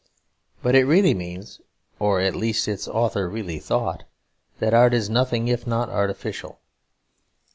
But it really means (or at least its author really thought) that art is nothing if not artificial.